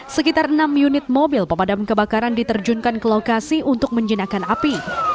sekitar enam unit mobil pemadam kebakaran diterjunkan ke lokasi untuk menjinakkan api